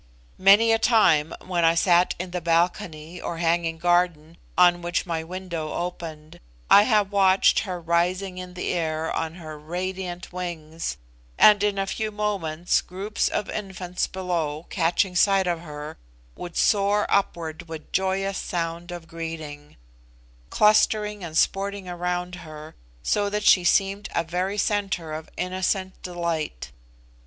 Many a time when I sat in the balcony, or hanging garden, on which my window opened, I have watched her rising in the air on her radiant wings, and in a few moments groups of infants below, catching sight of her, would soar upward with joyous sounds of greeting; clustering and sporting around her, so that she seemed a very centre of innocent delight.